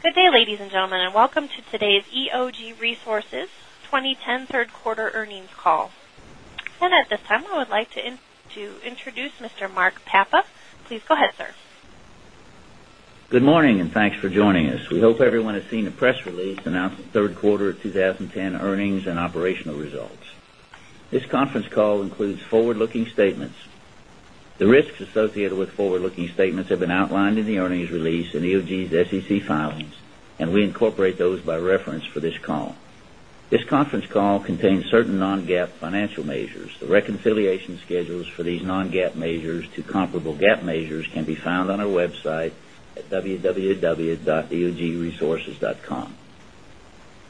Good day, ladies and gentlemen, and welcome to today's EOG Resources 2010 Third Quarter Earnings Call. And at this time, I would like to introduce Mr. Mark Papa. Please go ahead, sir. Good morning and thanks for joining us. We hope everyone has seen the press release announcing the Q3 of 2010 earnings and operational results. This conference call includes forward looking statements. The risks associated with forward looking statements have been outlined in the earnings release and EOG's SEC filings, and we incorporate those by reference for this call. This conference call contains certain non GAAP financial measures. The reconciliation schedules for these non GAAP measures to comparable GAAP measures can be found on our website at www.eogresources.com.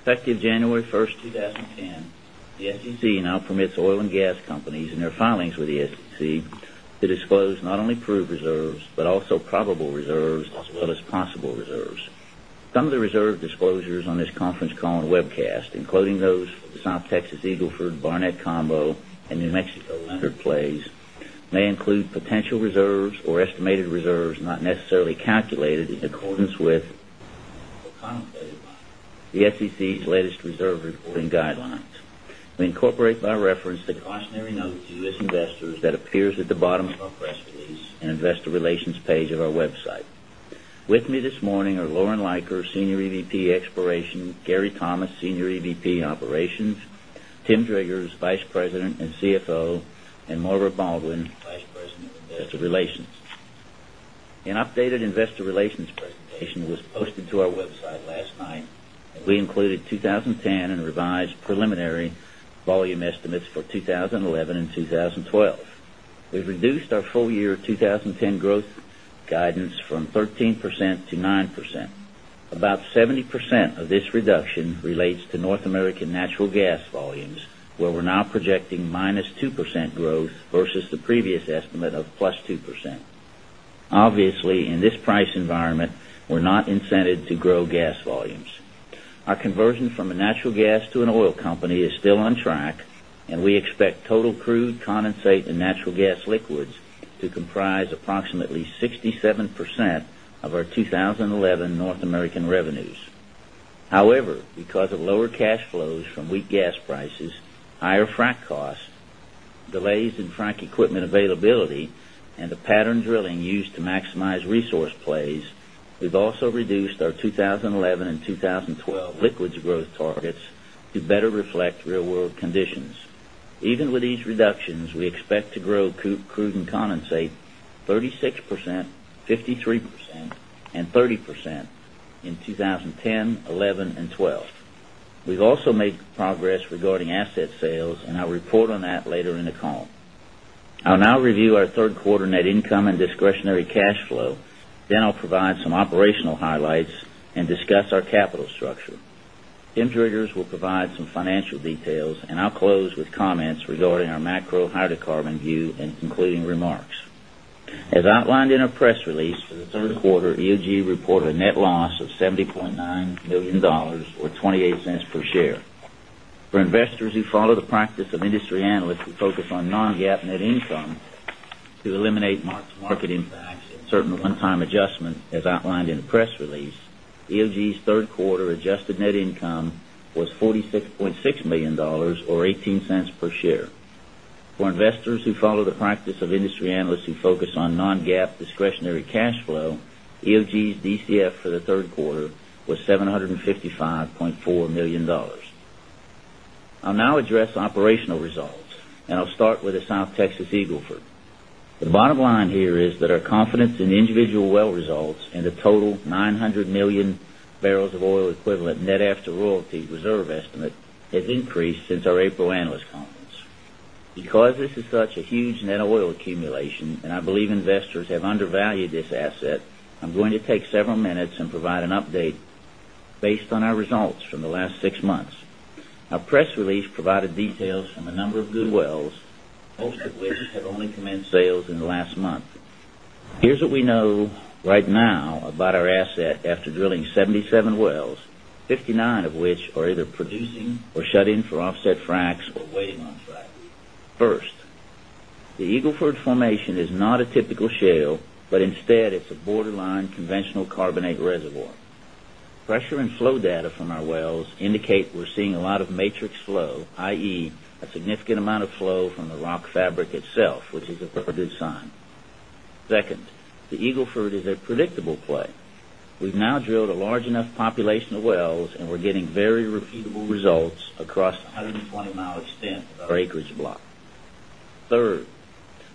Effective January 1, 2010, the SEC now permits oil and gas companies in their filings with the SEC to disclose not only proved reserves, but also probable reserves as well as possible reserves. Some of the reserve disclosures on this conference call and webcast, including those for the South Texas Eagle Ford Barnett Combo and New Mexico Leonard plays, may include potential reserves or estimated reserves not necessarily calculated in accordance with the SEC's latest reserve reporting guidelines. We incorporate by reference the cautionary note to U. S. Investors that appears at the bottom of our press release and Investor Relations page of our website. With me this morning are Lauren Leiker, Senior EVP Exploration Gary Thomas, Senior EVP Operations Tim Driggers, Vice President and CFO and Marva Baldwin, Vice President of Investor Relations. An updated Investor Relations presentation was posted to our website last night and we included 2010 and revised preliminary volume estimates for 20112012. We've reduced our full year 2010 growth guidance from 13% to 9%. About 70% of this reduction relates to North American natural gas volumes, where we're now projecting -2% growth versus the previous estimate of plus 2%. Obviously, in this price environment, we're not incented to grow gas volumes. Our conversion from a natural gas to an oil company is still on track and we expect total crude, condensate and natural gas liquids to comprise approximately 67% of our 2011 North American revenues. However, because of lower cash flows from weak gas prices, higher frac costs, delays in frac equipment availability and the pattern drilling used to maximize resource plays, we've also reduced our 2011 2012 liquids growth targets to better reflect real world conditions. Even with these reductions, we expect to grow crude and condensate 36%, 53% and 30% in 2010, 2011 and 2012. We've also made progress regarding asset sales and I'll report on that later in the call. I'll now review our Q3 net income and discretionary cash flow, then I'll provide some operational highlights and discuss our capital structure. Jim Driggers will provide some financial details and I'll close with comments regarding our macro hydrocarbon view and concluding remarks. As outlined in our press release for the Q3, EOG reported a net loss of $70,900,000 or $0.28 per share. For investors who follow the practice of industry analysts who focus on non GAAP net income to eliminate mark to market impacts and certain one time adjustments as outlined in the press release, EOG's 3rd quarter adjusted net income was $46,600,000 or $0.18 per share. For investors who follow the practice of industry analysts who focus on non GAAP discretionary cash flow, EOG's DCF for the 3rd quarter was $755,400,000 I'll now address operational results and I'll start with the South Texas Eagle Ford. The bottom line here is that our confidence in individual well results and the total 900,000,000 barrels of oil equivalent net after royalty reserve estimate have increased since our April analyst conference. Because this is such a huge net oil accumulation and I believe investors have undervalued this asset, I'm going to take several minutes and provide an update based on our results from the last 6 months. Our press release provided details from a number of good wells, most of which have only commenced sales in the last month. Here's what we know right now about our asset after drilling 77 wells, 59 of which are either producing or shut in for offset fracs or waiting on frac. First, the Eagle Ford formation is not a typical shale, but instead it's a borderline conventional carbonate reservoir. Pressure and flow data from our wells indicate we're seeing a lot of matrix flow, I. E, a significant amount of flow from the rock fabric itself, which is a produce sign. 2nd, the Eagle Ford is a predictable play. We've now drilled a large enough 120 mile extent of our acreage block. 3rd,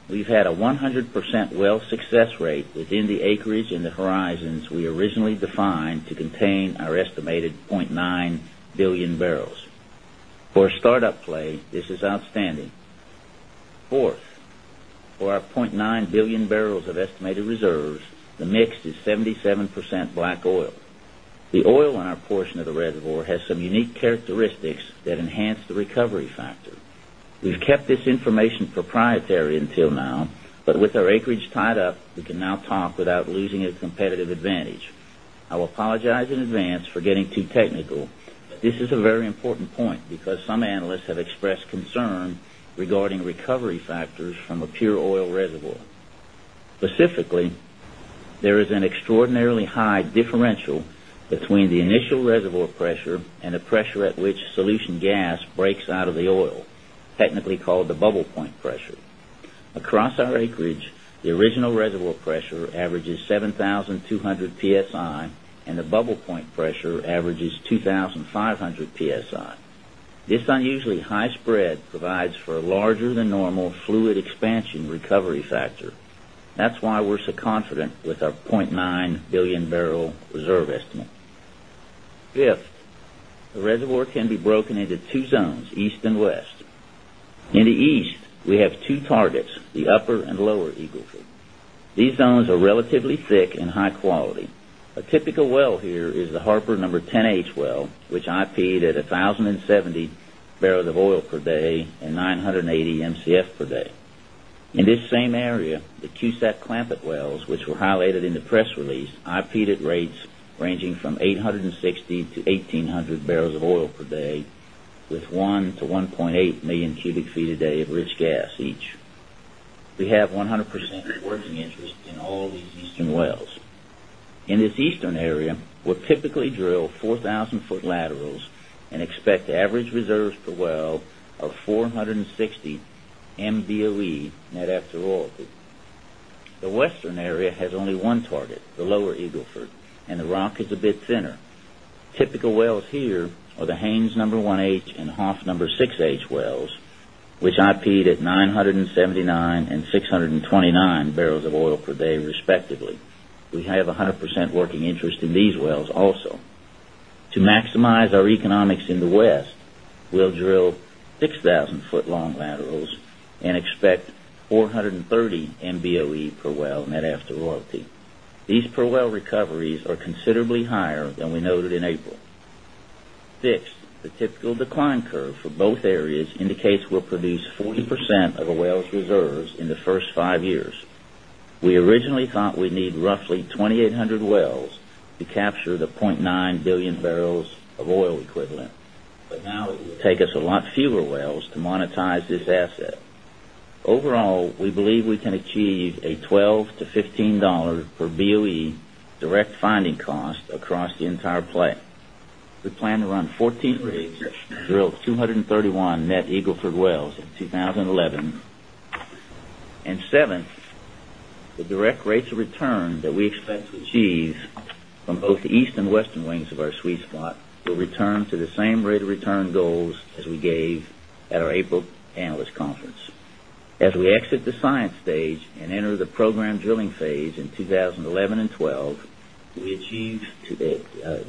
we've had a 100% well success rate within the acreage and the horizons we originally defined to contain our estimated 9,000,000,000 barrels of estimated reserves, the mix is 77% black oil. The oil on our portion of the reservoir has some unique characteristics that enhance the recovery factor. We've kept this information proprietary until now, but with our acreage tied up, we can now talk without losing a competitive advantage. Will apologize in advance for getting too technical. This is a very important point because some analysts have expressed concern regarding recovery factors from a pure oil reservoir. Specifically, there is an extraordinarily high differential between the initial reservoir pressure and the pressure at which solution gas breaks out of the oil, technically called the bubble point pressure. Across our acreage, the original reservoir pressure averages 7,200 PSI and the bubble point pressure averages 2,500 PSI. This unusually high spread provides for a larger than normal fluid expansion recovery factor. That's why we're so confident with our 0 point 0 2 targets, the Upper and Lower Eagle Ford. These zones are relatively thick and high quality. A typical well here is the Harper 10H well, which IP ed at 10.70 barrels of oil per day and 9.80 Mcf per day. In this same area, the CUSAT Clampett wells, which were highlighted in the press release, IP'd at rates ranging from 860 to 1800 barrels of oil per day with 1,000,000 to 1,800,000 cubic feet a day of rich gas each. We have 100% working interest in all these eastern wells. In this eastern area, we typically drill 4,000 foot laterals and expect average reserves per well of 460 MBOE net after oil. The Western area has only one target, the Lower Eagle Ford and the rock is a bit thinner. Typical wells here are the Haynes 1H and Hoff 6H wells, which IP ed at 9 79 and 6.29 barrels of oil per day, respectively. We have 100% working interest in these wells also. To maximize our economics in the West, we'll drill 6,000 foot long laterals and expect 430 MBOE per well net after royalty. These per well recoveries are considerably higher than we noted in April. 6th, the typical decline curve for both areas indicates we'll produce 40% of the wells reserves in the 1st 5 years. We originally thought we need roughly 2,800 wells to capture the 0.9000000000 barrels of oil equivalent, But now it will take us a lot fewer wells to monetize this asset. Overall, we believe we can achieve $12 to $15 per BOE direct finding cost across the entire play. We plan to run 14 rigs and drill 231 net Eagle Ford wells in 2011. And 7th, the direct rates of return that we expect to achieve from both the East and Western wings of our sweet spot will return to the same rate of return goals as we gave at our April Analyst Conference. As we exit the science stage and enter the program drilling phase in 2011 and 2012, we achieved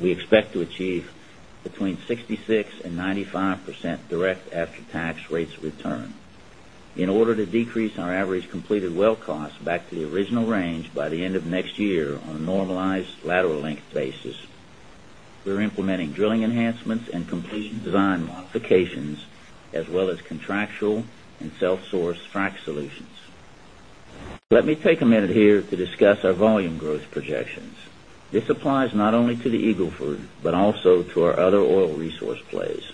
we expect to achieve between 66% 95% direct after tax rates of return. In order to decrease our average completed well cost back to the original range by the end of next year on a normalized lateral length basis, We're implementing drilling enhancements and completion design modifications as well as contractual and self sourced frac solutions. Let me take a minute here to discuss our volume growth projections. This applies not only to the Eagle Ford, but also to our other oil resource plays.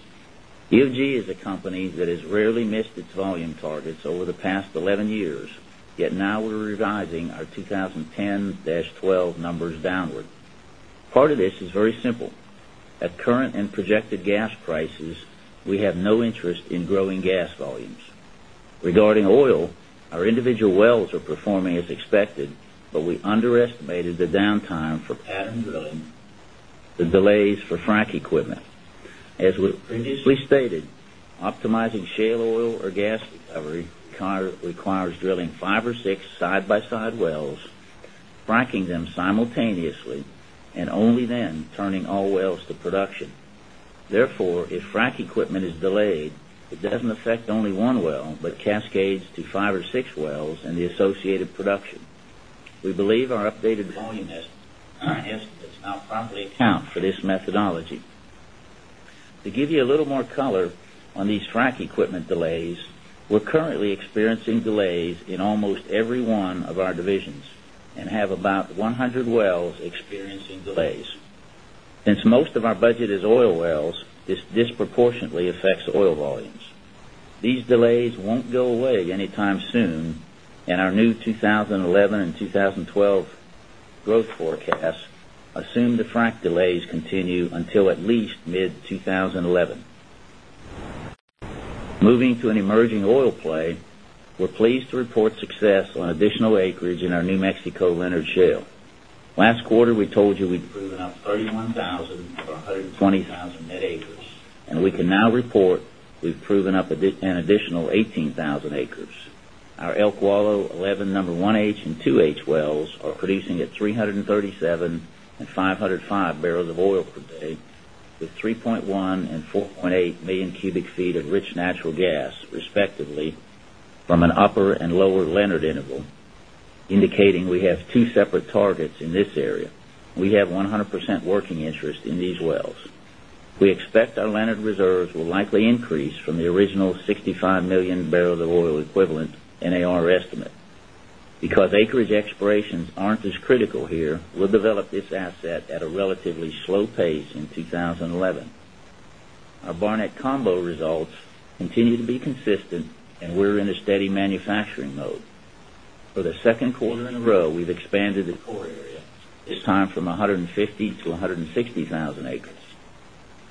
EFG is a company that has rarely missed its volume targets over the past 11 years, yet now we're revising our 20 ten-twelve numbers downward. Part of this is very simple. At current and projected gas prices, we have no interest in growing gas volumes. Regarding oil, our individual wells are performing as expected, but we underestimated the downtime for Pattern Drilling, the delays for frac equipment. As we previously stated, optimizing shale oil or gas recovery requires drilling 5 or 6 side by side wells, fracking them simultaneously and only then turning all wells to production. Therefore, if frac equipment is delayed, it doesn't affect only one well, but cascades to 5 or 6 wells and the associated production. We believe our updated volume is does not properly account for this methodology. To give you a little more color on these frac equipment delays, we're currently experiencing delays in almost every one of our divisions and have about 100 wells experiencing delays. Since most of our budget is oil wells, this disproportionately affects oil volumes. These delays won't go away anytime soon and our new 20112012 growth forecasts assume the frac delays continue until at least mid-twenty 11. Moving to an emerging oil play, we're pleased to report success on additional acreage in our New Mexico Leonard Shale. Last quarter, we told you we'd proven up 31 proven up 31,000 or 120,000 net acres and we can now report we've proven up an additional 18,000 acres. Our Wallow 11 1H and 2H wells are producing at 3.375 505 barrels of oil per day with 3 point 1,000,000 and 4,800,000 cubic feet of rich natural gas, respectively, from an upper and lower Leonard interval, indicating we have 2 separate targets in this area. We have 100% working interest in these wells. We expect our Leonard reserves will likely increase from the original 65,000,000 barrels of oil equivalent in our estimate. Because acreage expirations aren't as critical here, we'll develop this asset at a relatively slow pace in 20 11. Our Barnett combo results continue to be consistent and we're in a steady manufacturing mode. For the Q2 in a row, we've expanded the core area, this time from 150,000 to 160,000 acres.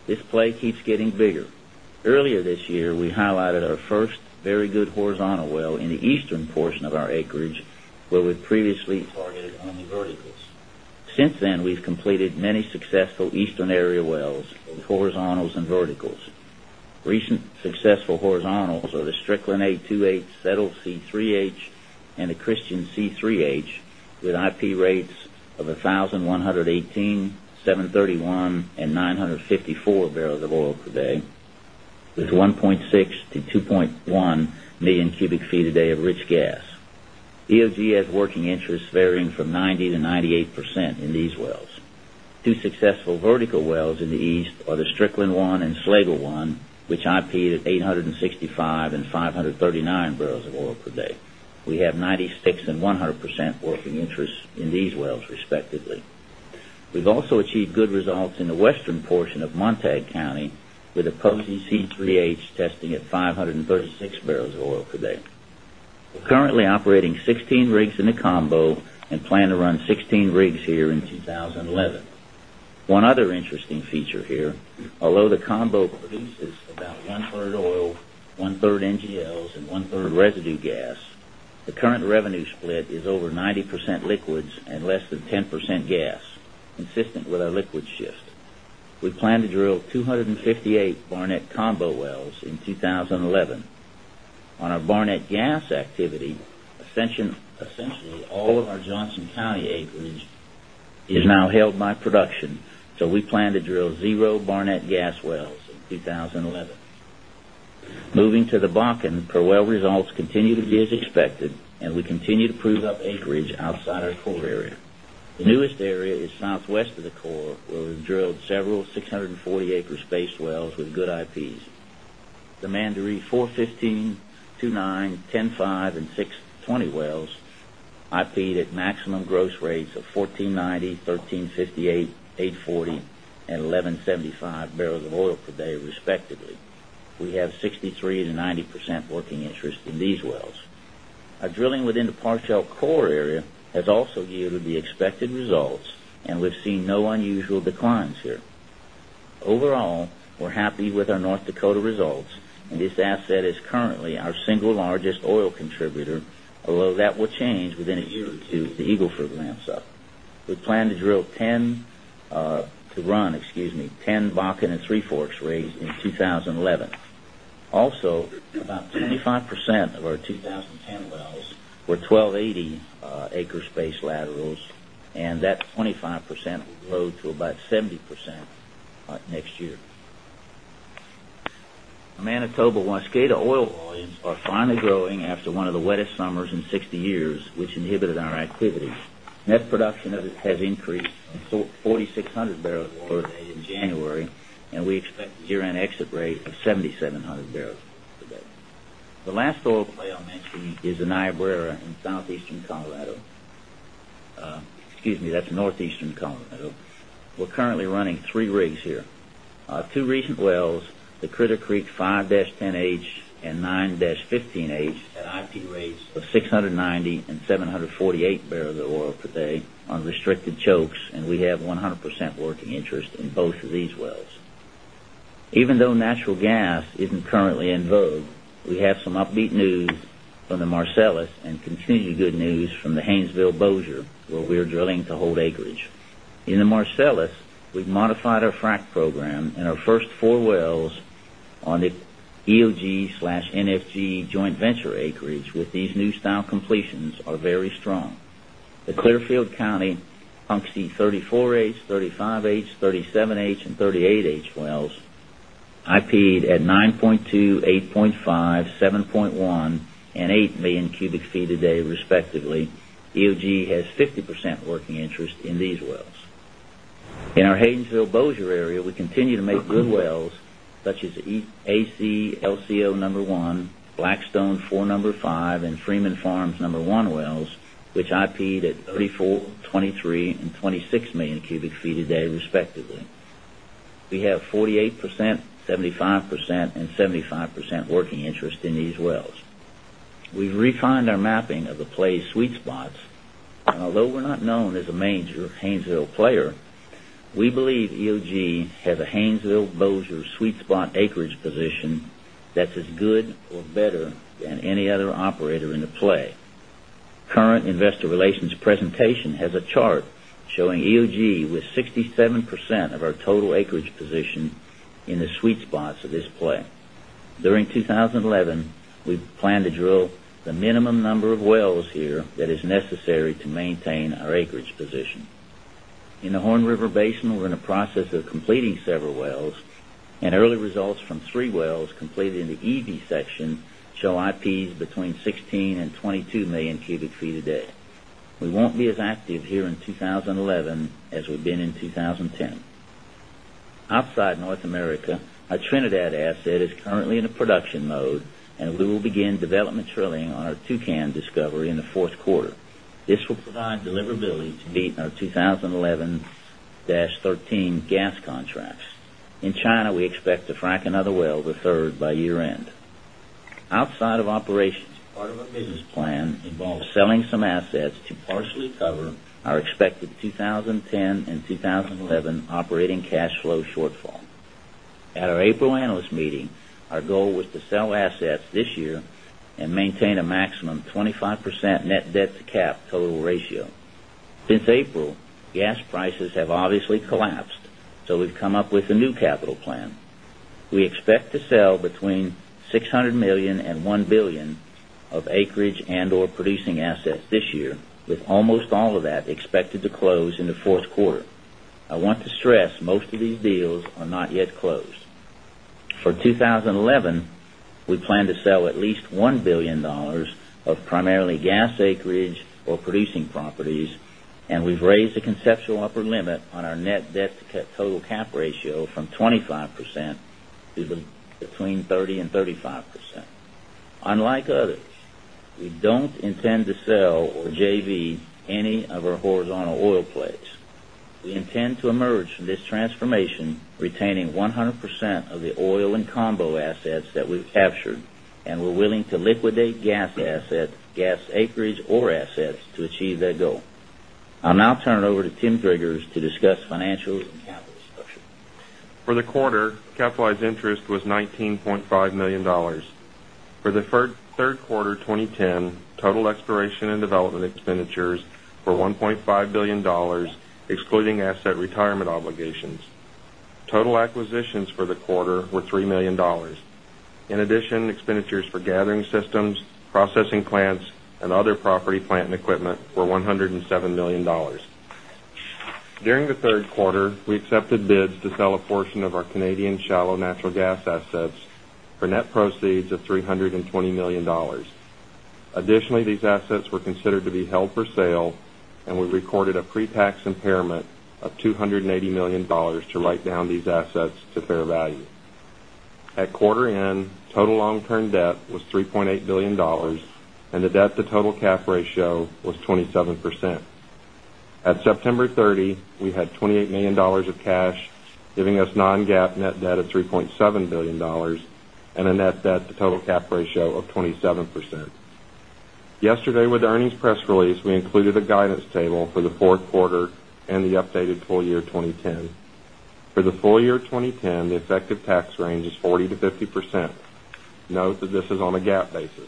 This play keeps getting bigger. Earlier this year, we highlighted our first very good horizontal well in the eastern portion of our acreage where we previously targeted only verticals. Since then, we've completed many successful eastern area wells with horizontals and verticals. Recent successful horizontals are the Strickland A2H Settled C3H and the Christian C3H with IP rates of 1118, 731, 954 barrels of oil per day with 1,600,000 to 2,100,000 interests varying from 90% to 98% in these wells. 2 successful vertical wells in the East are the Strickland 1 and Slagle 1, which IP ed at 865-539 barrels of oil per day. We have 96% and 100% working interest in these wells respectively. We also achieved good results in the western portion of Montag County with the Posey C3H testing at 5 36 barrels of oil today. We're currently operating 16 rigs in the combo and plan to run 16 rigs here in 2011. One other interesting feature here, although the combo produces about 1 third oil, 1 third NGLs and 1 third residue gas, the current revenue split is over 90% liquids and less than 10% gas, consistent with our liquids shift. Plan to drill 258 Barnett combo wells in 2011. On our Barnett gas activity, essentially all of our Johnson County acreage is now held by production. So we plan to drill 0 gas wells in 2011. Moving to the Bakken, per well results continue to be as expected and we continue to prove up acreage outside our core area. The newest area is southwest of the core where we've drilled several 6 40 Acres with good IPs. The Mandere 415, 29, 10.5 and 6 20 wells I feed at maximum gross rates of 14.90, 13.58, 8.40 and 11.75 barrels of oil per day, respectively. We have 63% to 90% working interest in these wells. Our drilling within the Parcel core area has also yielded the expected results and we've seen no unusual declines here. Overall, we're happy with our North Dakota results and this asset is currently our single largest oil contributor, although that will change within a year or 2 as the Eagle Ford ramps up. We plan to drill 10 to run, excuse me, 10 Bakken and Three Forks rigs in 2011. Also about 25% of our 1010 wells were 12 80 Acrespace Laterals and that 25% will grow to about 70% next year. Manitoba, once SCADA oil volumes are finally growing after one of the wettest summers in 60 years, which inhibited our activity. Net production has increased from 4,600 barrels of oil per day in January and we expect year end exit rate of 7,700 barrels a day. The last oil play I'll mention is in Niobrara in Southeastern Colorado. Excuse me, that's Northeastern Colorado. We're currently running 3 rigs here. 2 recent wells, the Critter Creek 5-10H and 9-15H at IP rates of 690 and 748 barrels of oil per day on restricted chokes and we have 100 percent working interest in both of these wells. Even though natural gas isn't currently in vogue, we have some upbeat news from the Marcellus and good news from the HaynesvilleBossier, where we are drilling to hold acreage. In the Marcellus, we've modified our frac program in our first four wells on the EOGNFG joint venture acreage with these new style completions are very strong. The Clearfield County Pungsten 34H, 35H, 37H and 38H wells IP ed at 9.2000000, 8.5000000, 7.1000000 and 8000000 cubic feet a day, respectively. EOG has 50% working interest in these wells. In our HaynesvilleBossier area, we continue to make good wells such as AC LCO 1, Blackstone 4 5 and Freeman Farms 1 wells, which IP ed at 34, 23,000,000 and 26,000,000 cubic feet a day respectively. We have 48%, 75% and 75% working interest in these wells. We've refined our mapping of the play sweet spots. And although we're not known as a major Haynesville player, we believe EOG has a HaynesvilleBossier sweet spot acreage position that's as good or better than any other operator into play. Current Investor Relations presentation has a chart showing EOG with 67% of our total acreage position in the sweet spots of this play. During of completing several wells and early results from 3 wells completed in the EV section show IPs between 16,000,000 and 22,000,000 cubic feet a day. We won't be as active here in 2011 as we've been in 2010. Outside North America, our Trinidad asset is currently in a production mode and we will begin development drilling on our Tucan discovery in the Q4. This will provide deliverability to beat our 20 eleven-thirteen gas contracts. In China, expect to frac another well the 3rd by year end. Outside of operations, part of our business plan involves selling some assets to partially cover our expected 20 10 2011 operating cash flow shortfall. At our April Analyst Meeting, our goal was to sell assets this year and maintain a maximum 25% net debt to cap total ratio. Since April, gas prices have obviously collapsed, so we've come up with a new capital plan. We expect to sell between 600,000,000 dollars 1,000,000,000 of acreage and or producing assets this year with almost all of that expected to close in the 4th quarter. I want to stress most of these deals are not yet closed. For 2011, we plan to sell at least $1,000,000,000 of primarily gas acreage or producing properties and we've raised the conceptual upper limit on our net debt to total cap ratio from 25% to between 30% 35%. Unlike others, we don't intend to sell or JV any of our horizontal oil plays. We intend to emerge from this transformation retaining 100% of the oil and combo assets that we've captured and we're willing to liquidate gas assets, gas acreage or assets to achieve that goal. I'll now turn it over to Tim Driggers to discuss financials and capital structure. For the quarter, capitalized interest was $19,500,000 For the Q3 2010, total 2010, total exploration and development expenditures for the quarter were $3,000,000 In addition, expenditures for gathering systems, processing plants and other property plant and equipment were 100 and $7,000,000 During the Q3, we accepted bids to sell a portion of our Canadian shallow natural gas assets for net proceeds of $320,000,000 Additionally, these assets were considered to be held for sale and we recorded a pre tax impairment of $280,000,000 to write down these assets to fair value. At quarter end, total long term debt was $3,800,000,000 and the debt to total cap ratio was 27%. At September 30, we had $28,000,000 of cash giving us non GAAP net debt of 3 point $7,000,000,000 and a net debt to total cap ratio of 27%. Yesterday with press release, we included a guidance table for the Q4 and the updated full year 2010. For the full year 2010, the effective tax range is 40% to 50%. Note that this is on a GAAP basis.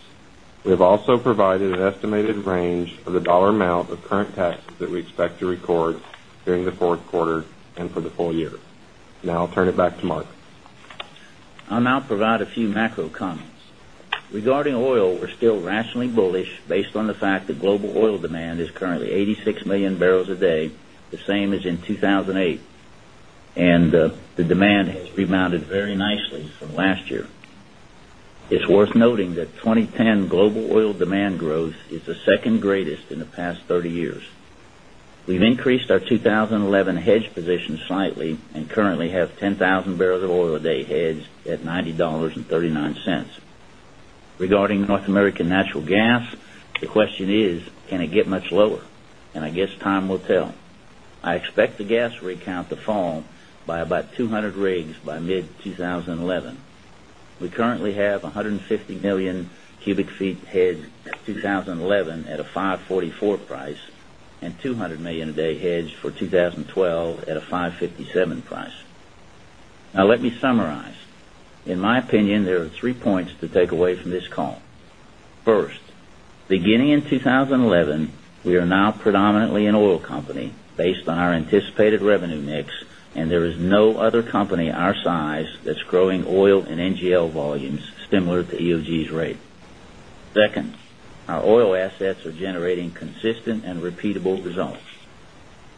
We have also provided an estimated range of the dollar amount of current taxes that we we're still rationally bullish based on the fact that global oil demand is currently 86,000,000 barrels a day, the same as in 2,008. And the demand has rebounded very nicely from last year. It's worth noting that 2010 global oil demand growth is the 2nd greatest in the past 30 years. We've increased our 2011 hedge position slightly and currently have 10,000 barrels of oil a day hedged at $90.39 Regarding North American natural gas, the question is, can it get much lower? And I guess time will tell. I expect the gas rig count to fall by about 200 rigs by mid-twenty 11. We currently have 150,000,000 cubic feet head 2011 at a $5.44 price and $200,000,000 a day hedge for 2012 at a $5.57 price. Now let me summarize. In my opinion, there are 3 points to take away from this call. 1st, beginning in 2011, we are now predominantly an oil company based on our anticipated revenue mix and there is no other company our size that's growing oil and NGL volumes similar to EOG's rate. 2nd, our oil assets are generating consistent and repeatable results.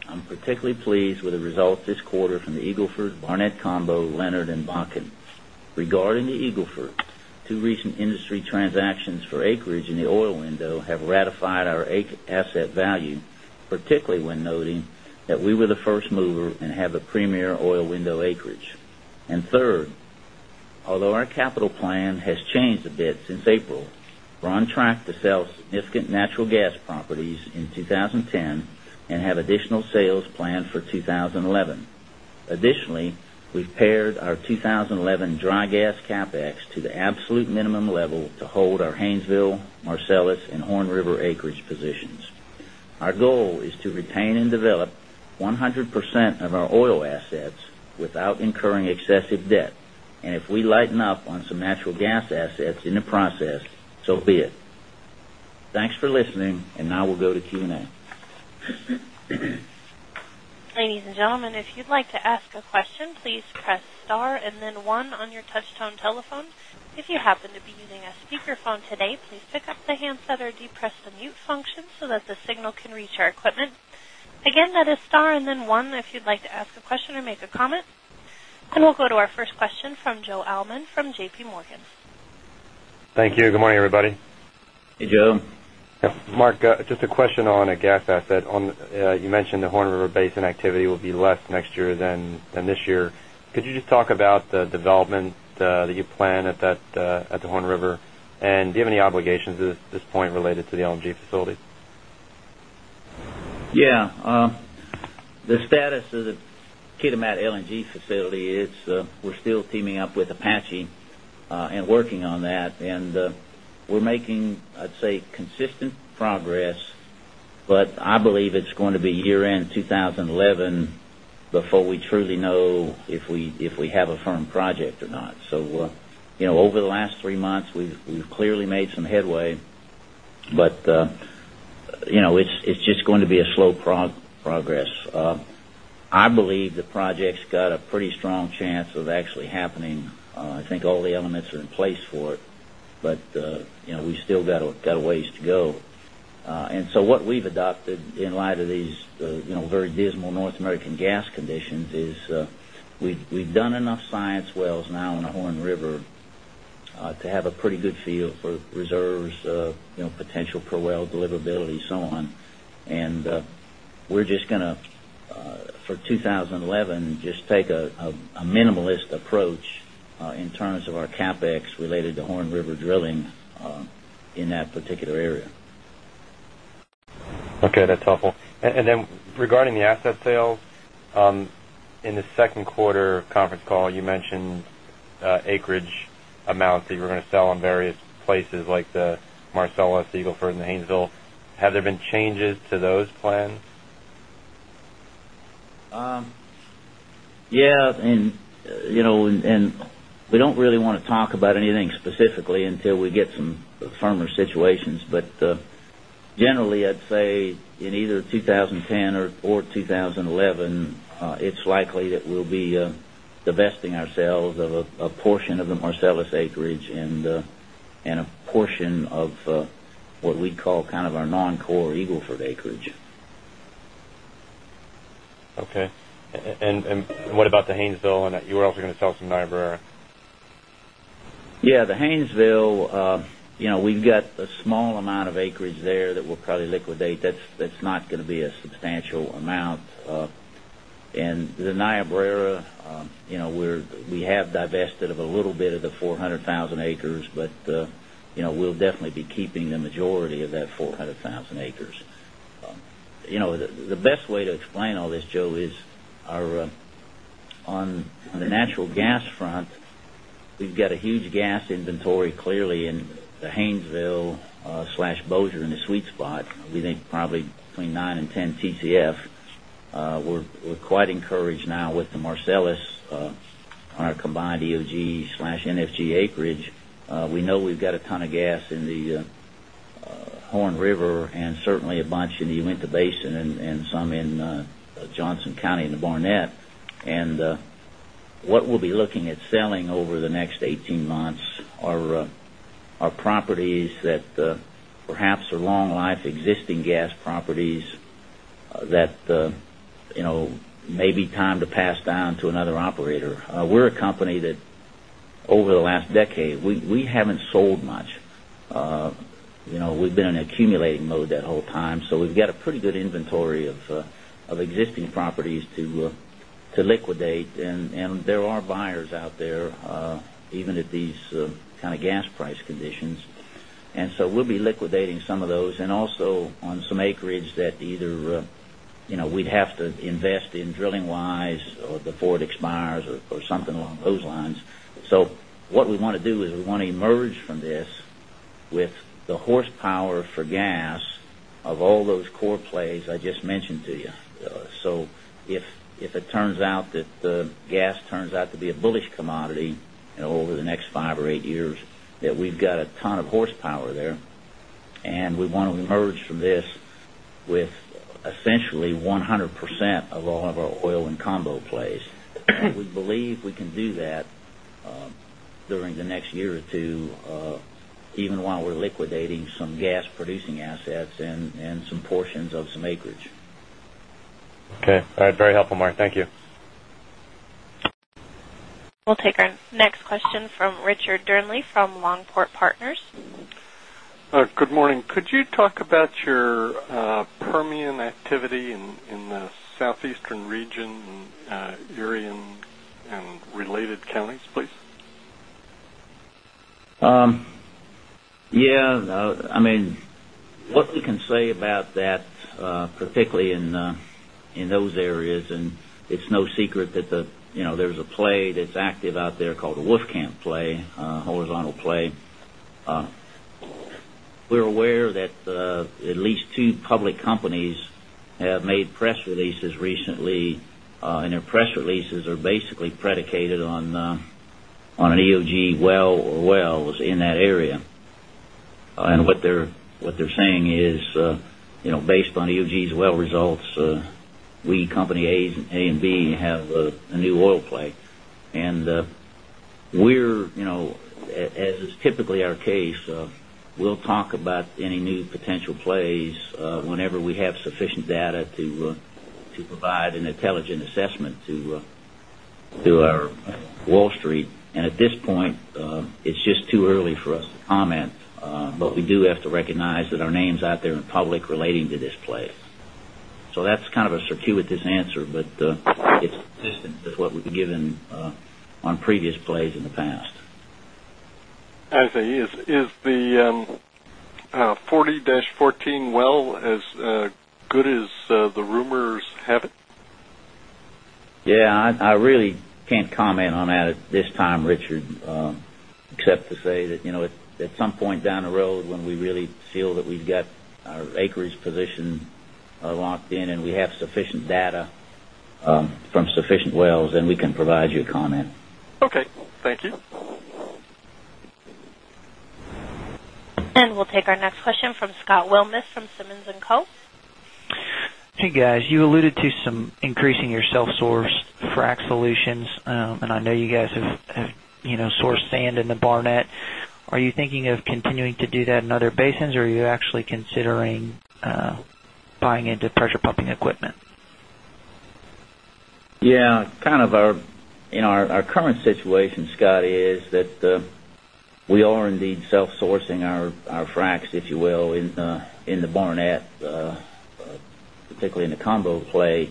I'm particularly pleased with the results this quarter from the Eagle Ford, Barnett Combo, Leonard and Bakken. Regarding the Eagle Ford, 2 recent industry transactions for acreage in the oil window have ratified our asset value, particularly when noting that we were the 1st mover and have a premier oil window acreage. And 3rd, although our capital plan has changed a bit since April, we're on track to sell significant natural gas properties in 2010 and have additional sales planned for 2011. Additionally, we've paired our 2011 dry gas CapEx to the absolute minimum level to hold our Haynesville, Marcellus and Horn River acreage positions. Our goal is to retain and develop 100% of our oil assets without incurring excessive debt. And if we lighten up on some natural gas assets in the process, so be it. Thanks for listening. And now we'll go to Q And we'll go to our first question from Joe Allman from JPMorgan. Thank you. Good morning, everybody. Hey, Joe. Mark, just a question on a gas asset. You mentioned the Horn River Basin activity will be less next year than this year. Could you just talk about the development that you plan at the Horn River? And do you have any obligation at this point related to the LNG facility? Yes. The status of the Kitimat LNG facility is we're still teaming up with Apache and working on that. And we're making, I'd say, consistent progress, but I believe it's going to be year end 2011 before we truly know if we have a firm project or not. So over the last 3 months, we've clearly made some headway. But it's just going to be a slow progress. I believe the project's got a pretty strong chance of actually happening. I think all the elements are in place for it, but we still got a ways to go. And so what we've adopted in light of these very dismal North American gas conditions is we've done enough science wells now in the Horn River to have a pretty good feel for reserves, potential per well deliverability, so on. And we're just going to, for 2011, just take a minimalist approach in terms of our CapEx related to Horn River Drilling in that particular area. Okay. That's helpful. And then regarding the asset sales, in the Q2 conference call, you mentioned acreage amounts that you were going to sell in various places like the Marcellus, Eagle Ford and Haynesville. Have there been changes to those plans? Yes. And we don't really want to talk about anything specifically until we get some firmer situations. But generally, I'd say in either 20 10 or 2011, it's likely that we'll be divesting ourselves of a portion of the Marcellus acreage and a portion of what we call kind of our non core Eagle Ford acreage. Okay. And what about the Haynesville? And you were also going to sell some Niobrara? Yes. The Haynesville, we've got a small amount of acreage there that we'll probably liquidate. That's not going to be a substantial amount. And the Niobrara, we have divested a little bit of the 400,000 acres, but we'll definitely be keeping the majority of that 400,000 acres. The best way to explain all this, Joe, is our on the natural gas front, we've got a huge gas inventory clearly in the HaynesvilleBossier in the sweet spot, we think between 9 and 10 Tcf. We're quite encouraged now with the Marcellus on our combined EOGNFG acreage. We know we've got a ton of gas in the Horn River and certainly a bunch in the Uinta Basin and some in Johnson County and the Barnett. And what we'll be looking at selling over the next 18 months are properties that perhaps are long life existing gas properties that maybe time to pass down to another operator. We're a company that accumulating mode that whole time. So we've got a pretty good inventory of existing properties to liquidate. And there are buyers out there even at these kind of gas price conditions. And so we'll be liquidating some of those and also on some acreage that either we'd have to invest in drilling wise or before it expires or something along those lines. So what we want to do is we want to emerge from this with the horsepower for gas of all those core plays I just mentioned to you. So if it turns out that the gas turns out to be a bullish commodity over the next 5 or 8 years that we've got a tonne of horsepower there And we want to emerge from this with essentially 100% of all of our oil and combo plays. We believe we can do that during the next year or 2 even while we're liquidating some gas producing assets and some portions of some acreage. Okay. All right. Very helpful, Mark. Thank you. We'll take our next question from Richard Dearnley from Longport Partners. Good morning. Could you talk about your Permian activity in the southeastern region, Irion and related counties, please? Yes. I mean, what we can say about that, particularly in those areas and it's no secret that there's a play that's active out there called the Wolfcamp play, horizontal play. We're aware that at least 2 public companies have made press releases recently and their press releases are basically predicated on an EOG well or wells in that area. And what they're saying is based on EOG's well results, we Company A and B have a new oil play. And we're as is typically our case, we'll talk about any new potential plays whenever we have sufficient data to provide an intelligent assessment to our Wall Street. And at this point, it's just too early for us to comment, but we do have to recognize that our names out there in public given on previous plays in the past. As they use, is the 40-fourteen well as good as the rumors have it? Yes. I really can't comment on that at this time, Richard, except to say that at some point down the road when we really feel that we've got our acreage position locked in and we have sufficient data from sufficient wells and we can provide you a comment. Okay. Thank you. And we'll take our next question from Scott Wilmoth from Simmons and Co. Hey guys. You alluded to some increasing your self sourced frac solutions and I know you guys have sourced sand in the Barnett. Are you thinking of continuing to do that in other basins? Or are you actually considering buying into pressure pumping equipment? Yes. Kind of our current situation, Scott, is that we are indeed self sourcing our fracs, if you will, in the Barnett, particularly in the combo play.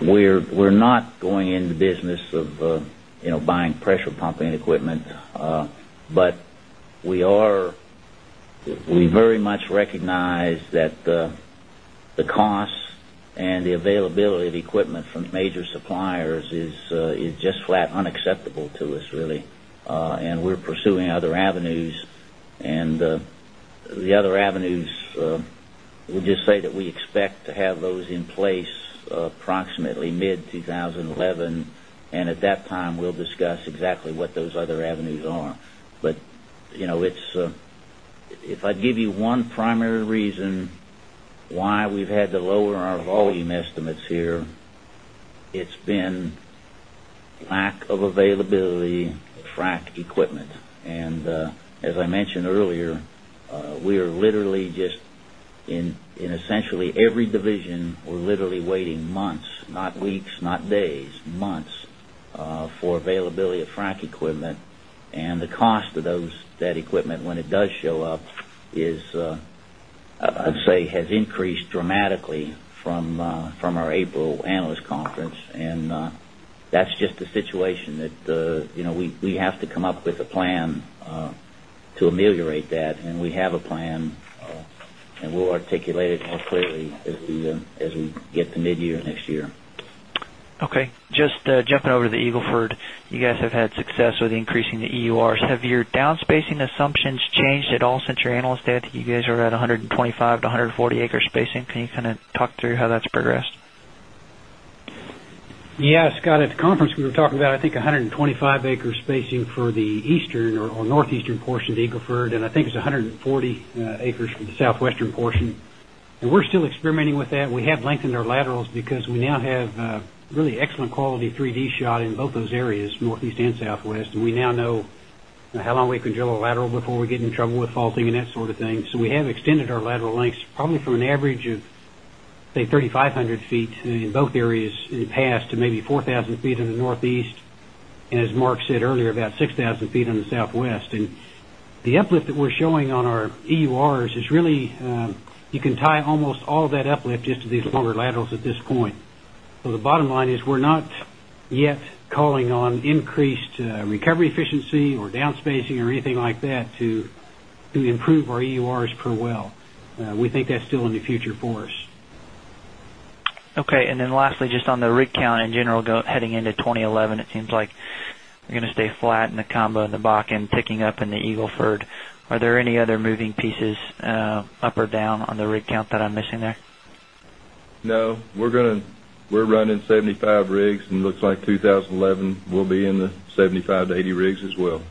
We're not going in the business of buying pressure pumping equipment, but we are we very much recognize that the cost and the availability of equipment from major suppliers is just flat avenues we'll just say that we expect to have those in place approximately mid-twenty 11. And at that time, we'll discuss exactly what those other avenues are. But it's if I'd give you one primary reason why we've had to lower our volume estimates here, it's been lack of availability, frac equipment. And as I mentioned earlier, we are literally just in essentially every division, we're literally waiting months, not weeks, not days, months for availability of frac equipment. And the cost of those that equipment when it does show up is, I'd say, has increased dramatically from our April analyst conference. And that's just a situation that we have to come up with a plan to ameliorate that and we have a plan and we'll articulate it more clearly as we get to midyear next year. Okay. Just jumping over to the Eagle Ford. You guys have had success with increasing the EURs. Have your down spacing assumptions changed at all since your Analyst Day? 125 to 140 acre spacing? Can you kind of talk through how that's progressed? Yes, Scott. At the conference we were talking about I think 120 25 acres spacing for the eastern or northeastern portion of Eagle Ford and I think it's 140 acres for the southwestern portion. And we're still experimenting with that. We have lengthened our laterals because we now have really excellent quality 3 d shot in both those areas Northeast and Southwest. And we now know how long we can drill a lateral before we get in trouble with faulting and that sort of thing. So we have extended our lateral lengths probably from an average of say 3,005 100 feet in both areas in the past to maybe 4,000 feet in the Northeast and as Mark said earlier about 6,000 feet in the Southwest. And the uplift that we're showing on our EURs is really you can tie almost all that uplift just to these longer laterals at this point. So the bottom line is we're not yet calling on increased recovery efficiency or down spacing or anything like that to improve our EURs per well. We think that's still in the future for us. Okay. And then lastly just on the rig count in general heading into 2011, it seems like you're going to stay flat in the combo and the Bakken picking up in the Eagle Ford. Are there any other moving pieces up or down on the rig count that I'm missing there? No. We're going to we're running 75 rigs and it looks like 2011 will be in the 75 to 80 rigs as well.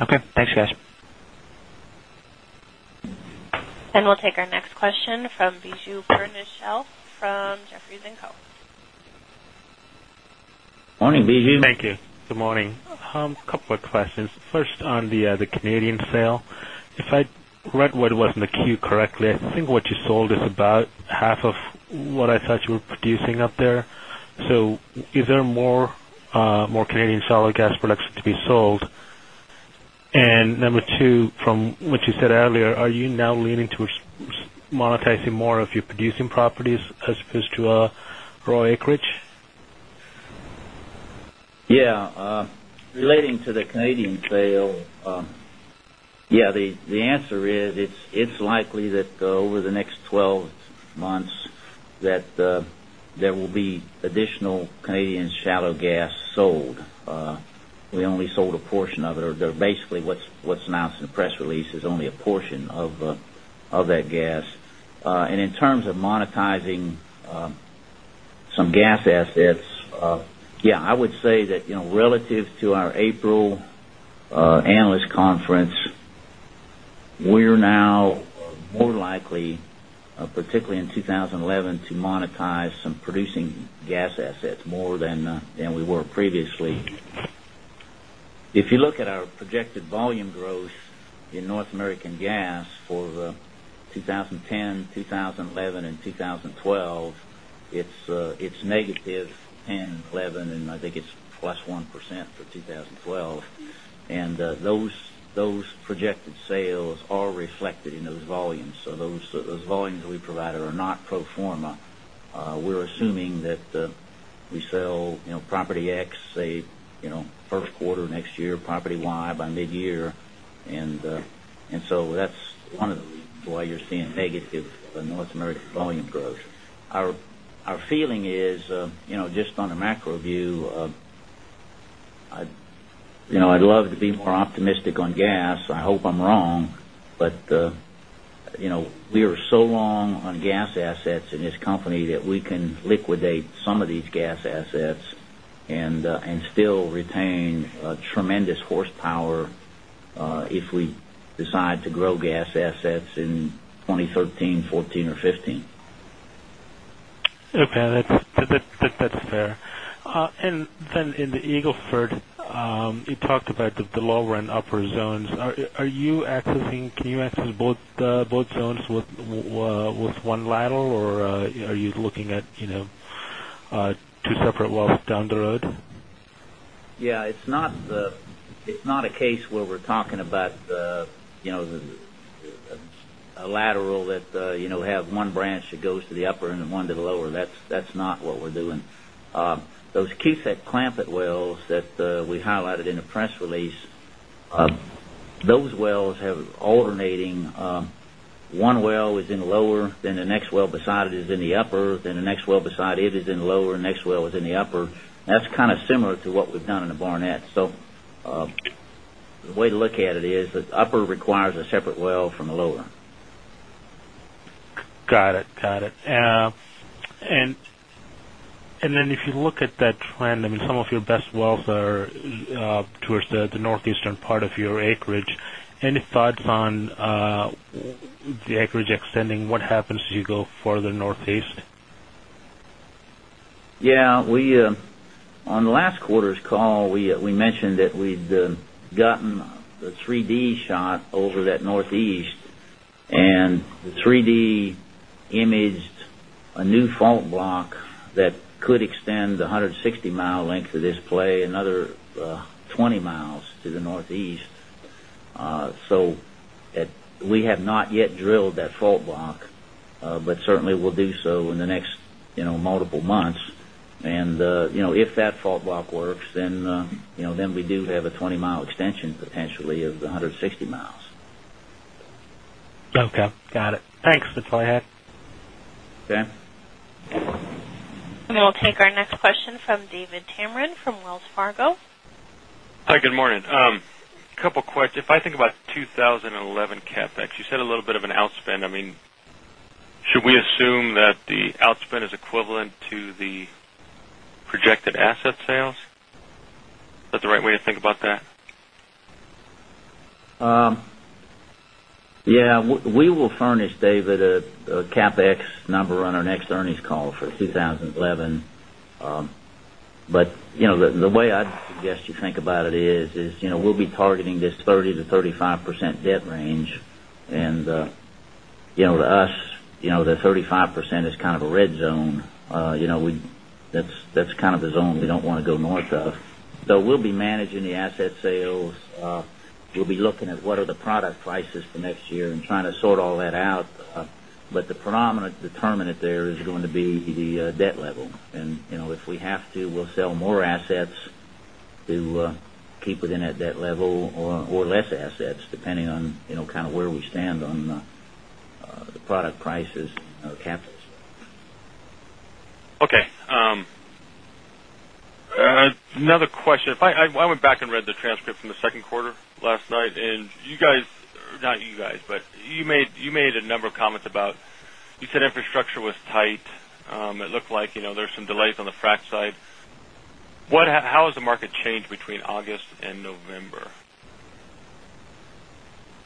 Okay. Thanks guys. And we'll take our next question from Biju Bernayshail from Jefferies and Co. Good morning, B. G. Thank you. Good morning. Couple of questions. First on the Canadian sale, if I read what was in the queue correctly, I think what you sold is about half of what I thought you were producing up there. So is there more Canadian solid gas production to be sold? And number 2, from what you said earlier, are you now leaning towards monetizing more of your producing properties as opposed to raw acreage? Yes. Relating to the Canadian sale, yes, the answer is it's likely that over the next 12 months that there will be additional Canadian shallow gas sold. We only sold a portion of it or basically what's announced in the press release is only a portion of that gas. And in terms of monetizing some gas assets, yes, I would say that relative to our April analyst conference, we are now more likely, particularly in 2011, to monetize some producing gas assets more than were previously. If you look at our projected volume growth in North American Gas for 2010, 2011, 2012, it's negative 10%, 11% and I think it's plus 1% for 2012. And so that And so that's one of the why you're seeing negative North America volume growth. Our feeling is just on a macro view, I'd love to be more optimistic on gas. I hope I'm wrong, but we are so long on gas assets in this company that we can liquidate some of these gas assets and still retain tremendous horsepower if we decide to grow gas assets in 2013, 2014 or 2015. Okay. That's fair. And then in the Eagle Ford, you talked about the lower and upper zones. Are you accessing can you access both zones with one lateral? Or are you looking at 2 separate wells down the road? Yes. It's not a case where we're talking about a lateral that have one branch that goes to the upper and then one to the lower, that's not what we're doing. Those Keysight Clampett wells that we highlighted in the press release, those wells have next well is in the upper. That's kind of similar to what we've done in the Barnett. So the way to look at it is that upper requires a separate well from the lower. Got it. Got it. And then if you look at that trend, I mean, some of your best wells are towards the northeastern part of your acreage. Any thoughts on the acreage extending? What happens as you go further northeast? Yes. We on last quarter's call, we mentioned that we'd gotten the 3 d shot over that Northeast and the 3 d imaged a new fault block that could extend the 160 mile length of this play another 20 miles to the Northeast. So we have not yet drilled that fault block, but certainly we'll do so in the next multiple months. And if that fault block works, then we do have a 20 mile extension potentially of the 160 miles. Okay, got it. Thanks. That's all I had. Okay. And we'll take our next And then we'll take our next question from David Tamarin from Wells Fargo. Hi, good morning. A couple of questions. If I think about 2011 CapEx, you said a little bit of an outspend. I mean, should we assume that the outspend is equivalent to the projected asset sales? Is that the right way to think about that? Yes. We will furnish, David, a CapEx number on our next earnings call for 2011. But the way I'd suggest you think about it is, we'll be targeting this 30% to 35% debt range. And to us, the 35% is kind of a red zone. That's kind of a zone we don't want to go north of. So we'll be managing the asset sales. We'll be looking at what are the product prices for next year and trying to sort all that out. But the predominant determinant there is going to be the debt level. And if we have to, we'll sell more assets to keep within that debt level or less assets depending on kind of where we stand on the product prices or capitals. Okay. Another question. If I went back and read the transcript from the Q2 last night and you guys not you guys, but you made a number of comments about you said infrastructure was tight. It looked like there's some delays on the frac side. What how has the market changed between August November?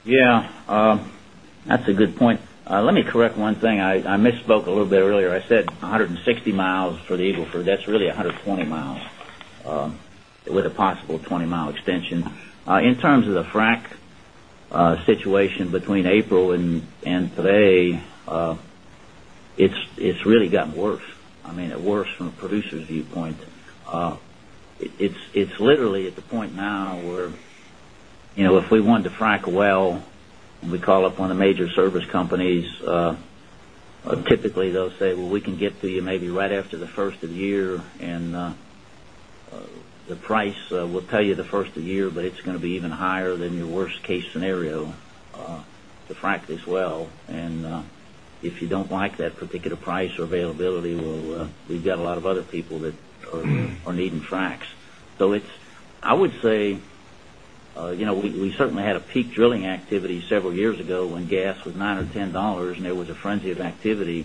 Yes. That's a good point. Let me correct one thing. I misspoke a little bit earlier. I said 160 miles for the Eagle Ford. That's really 120 miles with a possible 20 mile extension. In terms of the frac situation between April and today, it's really gotten worse. I mean, worse from a producer's viewpoint. It's literally at the point now where if we want to frac well and we call upon the major service companies, typically they'll say, well, we can get to you maybe right after the 1st of the year and the price will tell you the 1st of the year, but it's going to be even higher than your worst case scenario to frac this well. And if you don't like that particular price availability, we've got a lot of other people that are needing fracs. So it's I would say, we certainly had a peak drilling activity several years ago when gas was $9 or $10 and it was a frenzy of activity,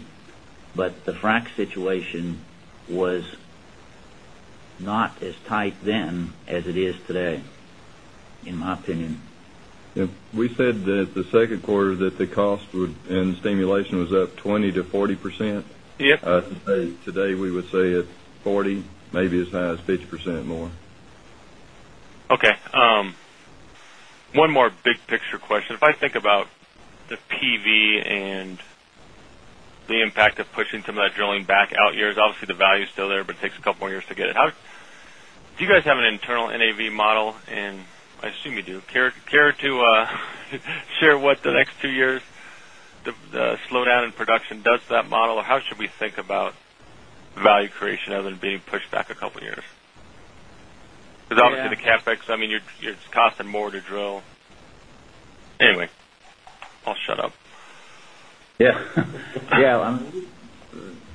but the frac situation was not as tight then as it is today, in my opinion. We said quarter that the cost would and stimulation was up 20% to 40%. Today, we would say at 40%, maybe as high as 50% more. Okay. One more big picture question. If I think about the PV and the impact of pushing some of that drilling back out years, obviously the value is still there, but it takes a couple of years to get it. How do you guys have an internal NAV model and assume you do care to share what the next 2 years the slowdown in production does to that model or how should we think about value creation other than being pushed back a couple of years? Because obviously the CapEx, I mean, it's costing more to drill. Anyway, I'll shut up. Yes.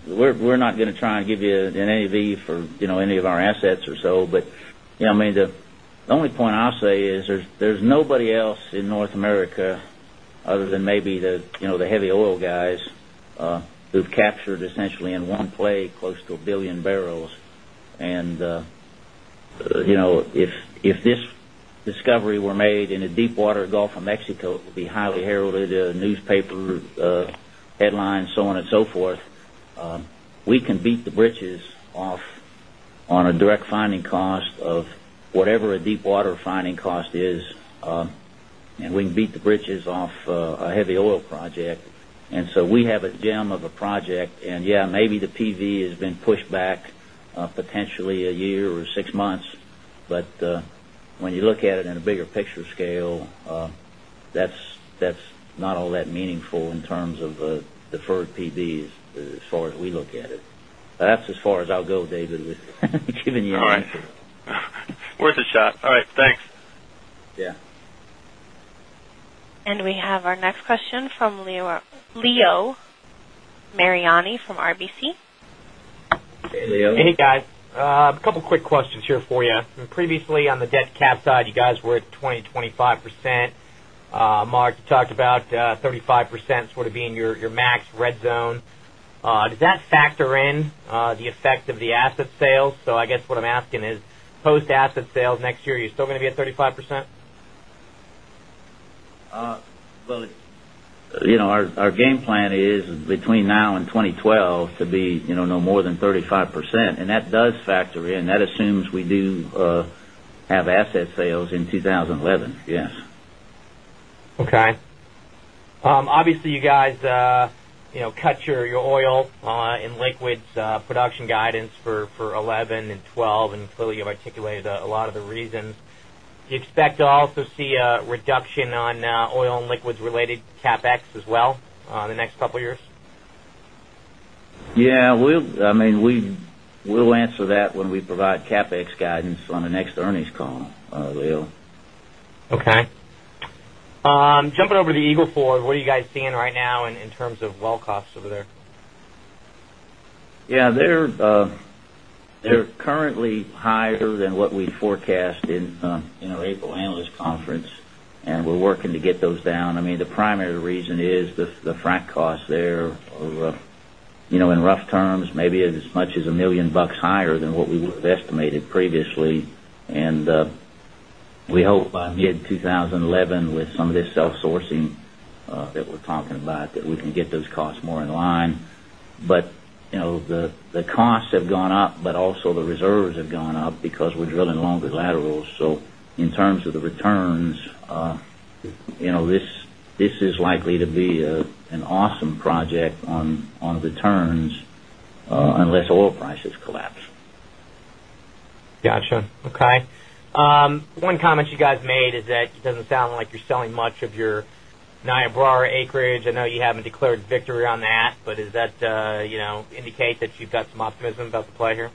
We're not going to try and give you an NAV for any of our assets or so. But I mean the only point I'll say is there's nobody else in North America other than maybe the heavy oil guys who've captured essentially in one play close to 1,000,000,000 barrels. And this discovery were made in a deepwater Gulf of Mexico, it would be highly discovery were made in a deepwater Gulf of Mexico, it would be highly heralded newspaper headlines, so on and so forth. We can beat the breaches off on a direct finding cost of whatever a deepwater finding cost is and we can beat the bridges off a heavy oil project. And so we have a gem of a project and yes, maybe the PV has been pushed back potentially a year or 6 months. But when you look at it in a bigger picture scale, that's not all that meaningful in terms of deferred PBs as far as we look at it. That's as far as I'll go, David, given you. All right. Worth a shot. All right. Thanks. Yes. And we have our next question from Leo Mariani from RBC. Hey, Leo. Hey, guys. A couple of quick questions here for you. Previously on the debt cap side, you guys were at 20%, 25%. Mark, you talked about 35% sort of being your max red zone. Does that factor in the effect of the asset sales? So I guess what I'm asking is post asset sales next year, are you still going to be at 35%? Well, our game plan is between now and 2012 to be no more than 35% and that does factor in. That assumes we do have asset sales in 2011, yes. Okay. Obviously, you guys cut your oil and liquids production guidance for 2011 and 2012 and clearly you've articulated a lot of the reasons. Do you expect to also see a reduction on oil and liquids related CapEx as well in the next couple of years? Yes. We'll I mean, we'll answer that when we provide CapEx guidance on the next earnings call, Leo. Okay. Jumping over to Eagle Ford, what are you guys seeing right now in terms of well costs over there? Yes. They're currently higher than what we forecast in our April analyst conference and we're working to get those down. I mean the primary reason is the frac costs there are in rough terms maybe as much as $1,000,000 higher than what we would have estimated previously. And we hope by mid-twenty 11 with some of this self sourcing that we're talking about that we can get those costs more in line. But the costs have gone up, but also the reserves have gone up because we're drilling longer laterals. So in terms of the returns, this is likely to be an awesome project on returns Niobrara acreage. I know you haven't declared victory on that, but is that Niobrara acreage. I know you haven't declared victory on that, but does that indicate that you've got some optimism about the play here?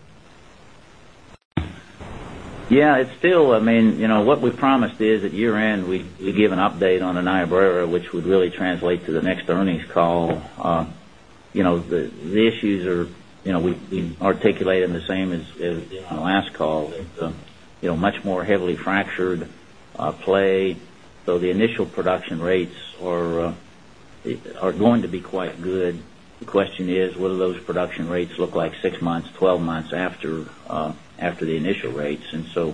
Yes. It's still I mean, what we promised is at year end, we give an update on Anaya Barrera, which would really translate to the next earnings call. The issues are we've been articulating the same as on the last call. It's a much more heavily fractured play. So the initial production rates are going to be quite good. The question is what do those production rates look like 6 months, 12 months after the initial rates. And so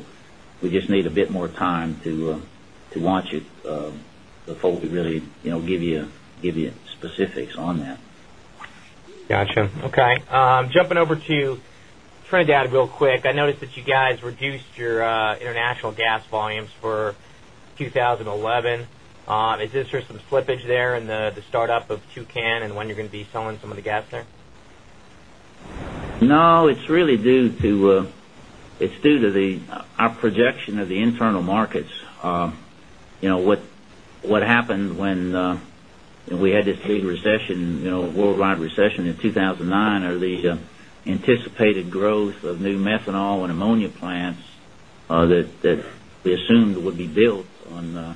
we just need a bit more time to watch it before we really give you specifics on that. Got you. Okay. Jumping over to trend out real quick. I noticed that you guys reduced your international gas volumes for 2011. Is this just some slippage there in the start up of Toucan and when you're going to be selling some of the gas there? No. It's really due to the our projection of the internal markets. What happened when we had this big recession worldwide recession in 2009 or the anticipated growth of new methanol and ammonia plants that we assumed would be built on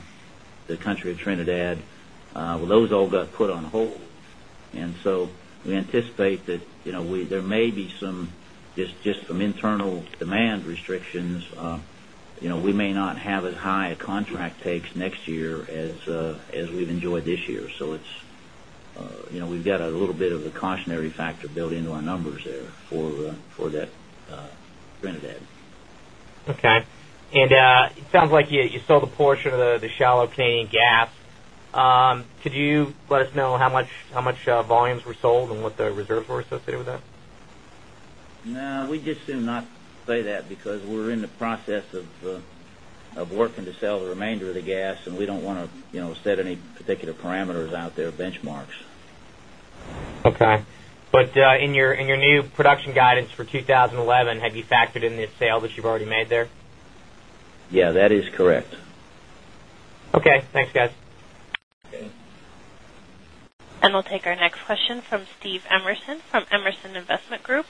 the country of Trinidad, Well, those all got put on hold. And so we anticipate that there may be some just some internal demand restrictions. We may not have as high a contract takes next year as we've enjoyed this year. So it's we've got a little bit of factor built into our numbers there for that Trinidad. Okay. And it sounds like you sold a portion of the shallow Canadian gas. Could you let us know how much volumes were sold and what the reserves were associated with that? No, we just do not say that because we're in the process of working to sell the remainder of the gas and we don't want to set any particular parameters out there, benchmarks. Okay. Parameters out there benchmarks. Okay. But in your new production guidance for 2011, have you factored in the sale that you've already made there? Yes, that is correct. Okay. Thanks guys. And we'll take our next question from Steve Emerson from Emerson Investment Group.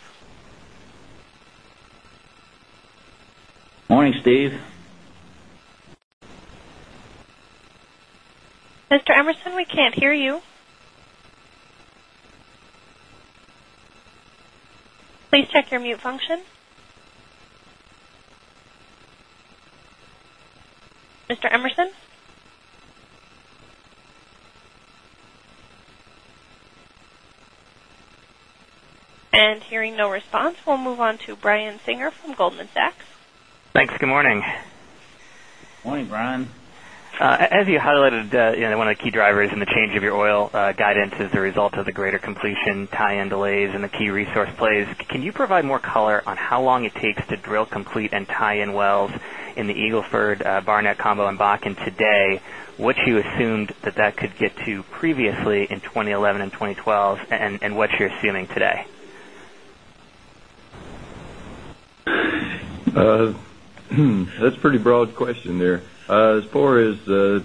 Good morning, Steve. Mr. Emerson, we can't hear you. Mr. Emerson? And hearing no response, we'll move on to Brian Singer from Goldman Sachs. Thanks. Good morning. Good morning, Brian. As you highlighted, one of the key drivers in the change of your oil guidance is the result of the greater completion, tie in delays and the key resource plays. Can you provide more color on how long it takes to drill complete and tie in wells in the Eagle Ford Net Combo and Bakken today, what you assumed that that could get to previously in 2011 2012 and what you're assuming today? That's pretty broad question there. As far as the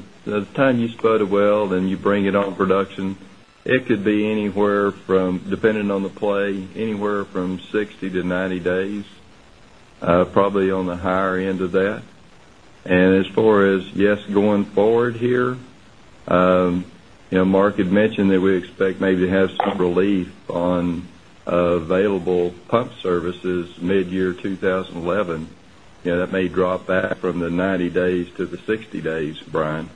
time you spud a well then you bring it on production, it could be anywhere from depending on the play anywhere from 60 to 90 days, probably on the higher end of that. And as far as yes going forward here, Mark had mentioned that we expect maybe have some relief on available pump services mid year 2011 that may drop back from the 90 days to the 60 days, Brian.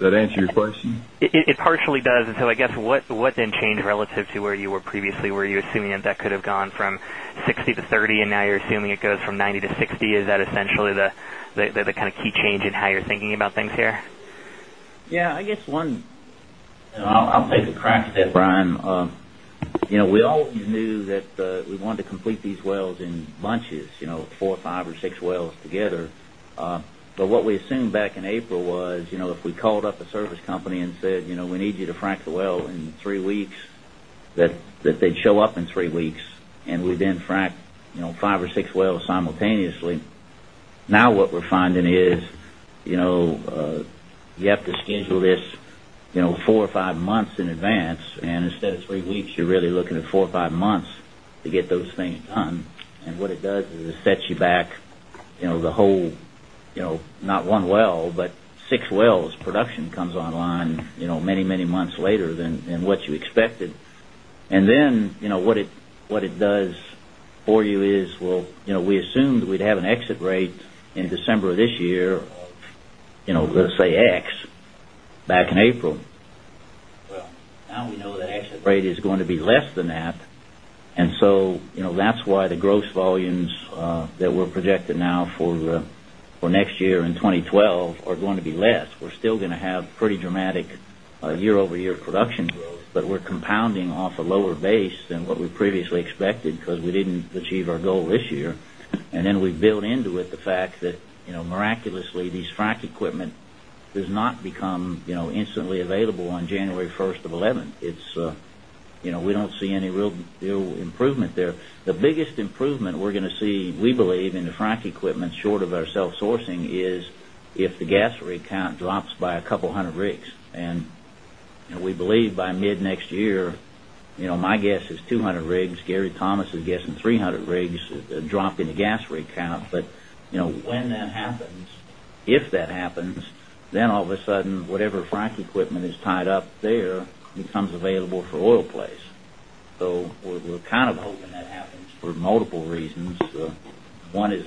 That answers your question? It partially does. And so I guess what then changed relative to where you were previously? Were you assuming that could have gone from 60 to 30 and now you're assuming it goes from 90 to 60. Is that essentially the kind of key change in how you're thinking about things here? Yes. I guess one I'll take the crack step, Brian. We all knew that we wanted to complete these wells in bunches, 4, 5 or 6 wells together. But what we assumed back in April was, if we called up a service company and said, we need you to frac the well in 3 weeks that they'd show up in 3 weeks and we then frac 5 or 6 wells simultaneously. Now what we're finding is, you have to schedule this 4 or 5 months in advance. And instead of 3 weeks, you're really looking at 4 or 5 months to get those things done. And what it does is it sets you back the whole not one well, but 6 wells production comes online many, many months later than what you expected. And then what it does for you is, we assumed we'd have an exit rate in December of this year, let's say, X back in April. Now we know that exit rate is going to be less than that. And so that's why the gross volumes that were projected now for next year in 2012 are going to be less. We're still going to have pretty dramatic year over year production growth, but we're compounding off a lower base than what we previously expected because we didn't achieve our goal this year. And then we build into it the fact that miraculously these frac equipment does not become instantly available on January 1, 2011. It's we don't see any real improvement there. The biggest improvement we're going to see, we believe in the frac equipment short of our self sourcing is if the gas rig count drops by a couple of 100 rigs. And we believe by mid next year, my guess is 200 rigs, Gary Thomas is guessing 300 rigs, a drop in the gas rig count. But when that happens, if that happens, then all of a sudden whatever frac equipment is tied up there,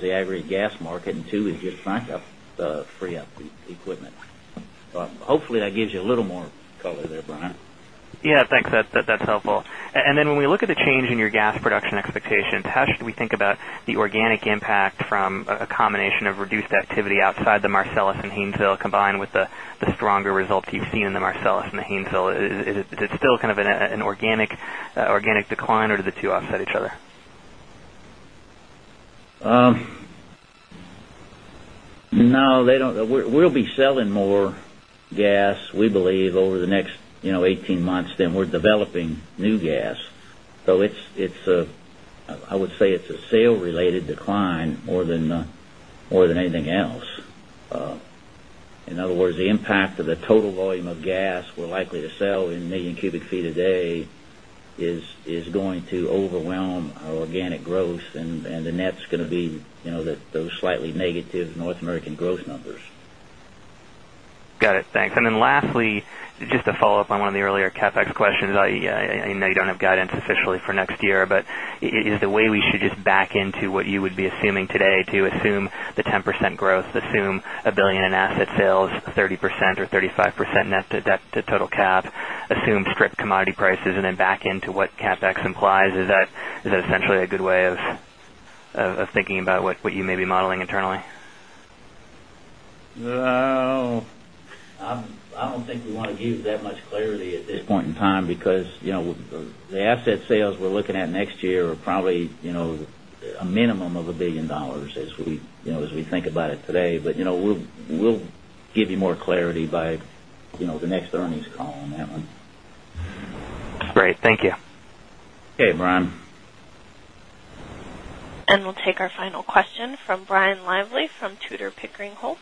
it aggregate gas market and 2 is just bank up the free up equipment. Hopefully, that gives you a little more color there, Brian. Yes. That's helpful. And then when we look at the change in your gas production expectations, how should we think about the organic impact from a combination of reduced activity outside the Marcellus and Haynesville combined with the stronger results you've seen in the Marcellus and Haynesville? Is it still kind of an organic decline or do the 2 off each other? No, they don't we'll be selling more gas, we believe, over the next 18 months than we're developing new gas. So it's a I would say it's a sale related decline more than anything else. In other words, the impact of the total volume of gas we're likely to sell in 1,000,000 cubic feet a day is going to overwhelm our organic growth and the net is going to be those slightly negative North American gross numbers. Got it. Thanks. And then lastly, just a follow-up on one of the earlier CapEx questions. I know you have guidance officially for next year, but is the way we should just back into what you would be assuming today to assume the 10% growth, assume $1,000,000,000 in asset sales, 30% or 35% net to total cap, assume strip commodity prices and then back into what CapEx implies? Is that essentially a good way of thinking about what you may be modeling internally? No. I don't think we want to give that much clarity at this point in time, because the asset sales we're looking at next year are probably a minimum of $1,000,000,000 as we think about it today. But we'll give you more clarity by the next earnings call on that one. Great. Thank you. Okay, Brian. And we'll take our final question from Brian Lively from Tudor, Pickering, Holt.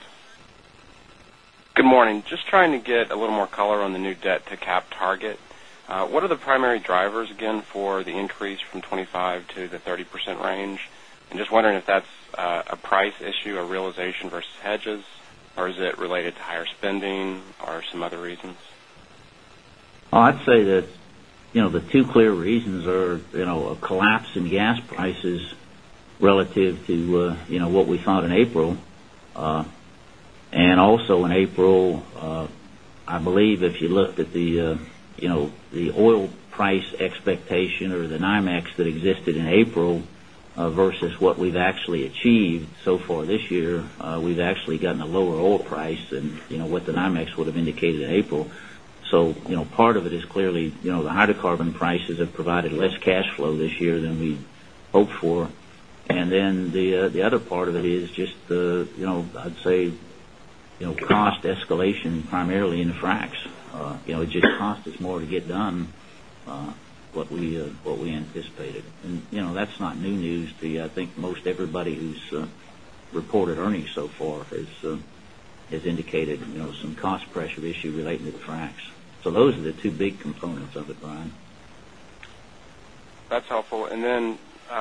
Good morning. Just trying to get a little more color on the new debt to cap target. What are the primary drivers again for the increase from 25% to the 30 percent range? I'm just wondering if that's a price issue or realization versus hedges or is it related to higher spending or some other reasons? I'd say that the two clear reasons are a collapse in gas prices relative to what we saw in April. And also in April, I believe if you looked at the oil price expectation or the NYMEX that existed in April versus what we've actually achieved so far this year, we've actually gotten a lower oil price than what the NYMEX would have indicated in April. So part of it is clearly the hydrocarbon prices have provided less cash flow this year than we hoped for. And then the other part of it is just the, I'd say, cost escalation primarily in the fracs. It just cost us more to get done what we anticipated. And that's not new news. I think most everybody who's reported earnings so far has indicated some cost pressure issue relating to the fracs. So those are the 2 big components of it, Brian. That's helpful. And then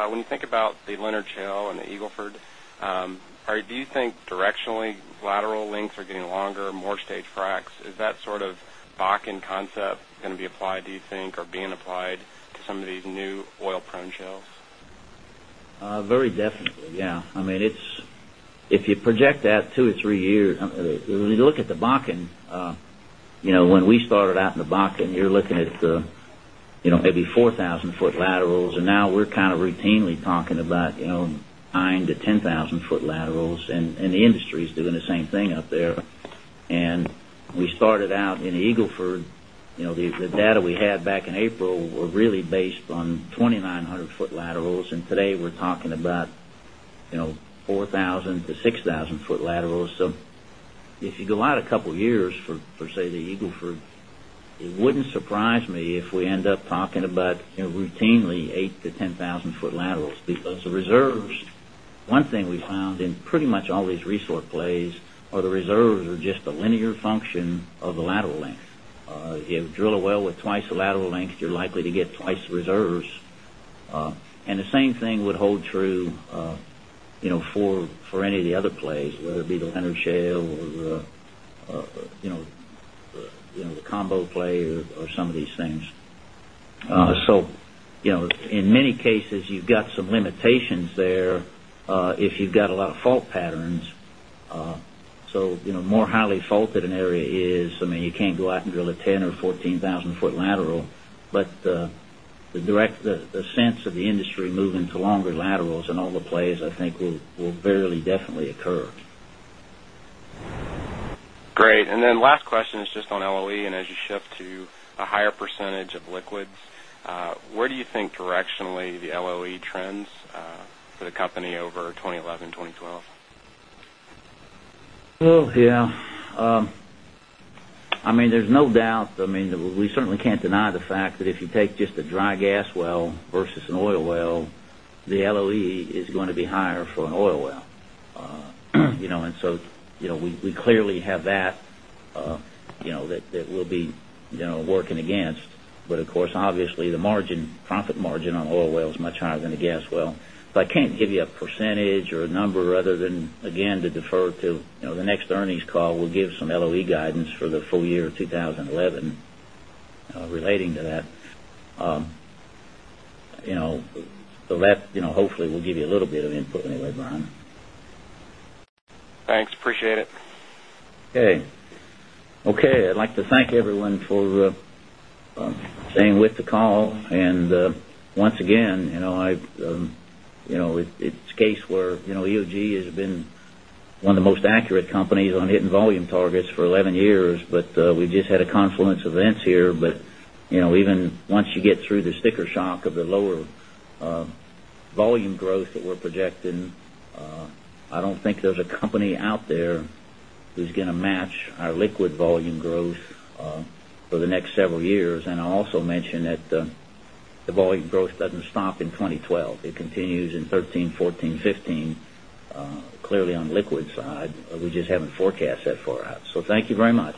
when you think about the Leonard Hill and the Eagle Ford, do you think directionally lateral lengths are getting longer, more stage fracs? Is that sort of Bakken concept going to be applied do you think or being applied to some of these new oil prone shells? Very definitely. Yes. I mean it's if you project that 2 or 3 years when you look at the Bakken, when we started out in the Bakken, you're looking at maybe 4,000 foot laterals and now we're kind of routinely talking about 9,000 to 10,000 foot laterals and the industry is doing the same thing up there. And we started out in Eagle Ford. The data we had back in April were really based on 2,900 foot laterals and today we're talking about 4000 foot foot to 6000 foot laterals. So if you go out a couple of years for say the Eagle Ford, it wouldn't surprise me if we end up talking about routinely 8000 to 10000 foot laterals because the reserves one thing we found in pretty much all these resort plays are the reserves are just a linear function of the lateral length. You drill a well with twice the lateral length, you're likely to get twice the reserves. And the same thing would hold true true for any of the other plays, whether it be the Leonard Shale or the combo play or some of these things. So, in many cases, you've got some limitations there if you've got a lot of fault patterns. So more highly faulted an area is, I mean, you can't go out and drill a 10,000 or 14,000 foot lateral, but the direct the sense of the industry moving to longer laterals and all the plays, I think, will barely definitely occur. Great. And then last question is just on LOE and as you shift to a higher percentage of liquids, where do you think directionally the LOE trends for the company over 2011, 2012? Yes. I mean, there's no doubt. I mean, we certainly can't deny the fact that if you take just a dry gas well versus an oil well, the LOE is going to be higher for an oil well. And so we clearly have that that we'll be working against. But of course, obviously, the margin profit margin on oil well is much higher than the gas well. But I can't give you a percentage or a number other than again to defer to the next earnings call, we'll give some LOE guidance for the full year of 2011 relating to that. So that hopefully will give you a little bit of input anyway, Brian. Thanks. Appreciate it. Okay. I'd like to thank everyone for staying with the call. And once again, it's a case where EOG has been one of the most accurate companies on hitting volume targets for 11 years, but we've just had a confluence of events here. But even once you get through the sticker shock of the lower volume growth that we're projecting, I don't think there's a company out there who's going to match our liquid volume growth for the next several years. And I also mentioned that the volume growth doesn't stop in 2012. It continues in 2013, 2014, 2015, clearly on liquid side. We just haven't forecast that far out. So thank you very much.